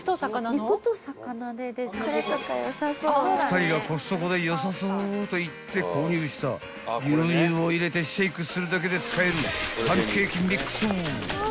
［２人がコストコでよさそうと言って購入した牛乳を入れてシェイクするだけで使えるパンケーキミックス］